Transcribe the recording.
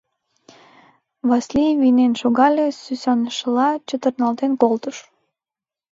Васлий вийнен шогале, сӱсанышыла чытырналтен колтыш.